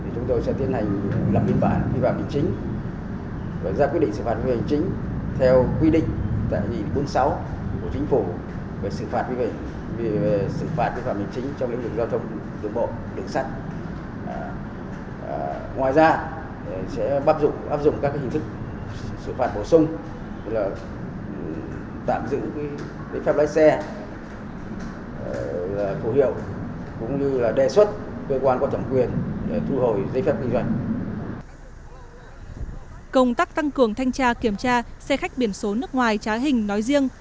công tác tăng cường thanh tra kiểm tra xe khách biển số nước ngoài trái hình nói riêng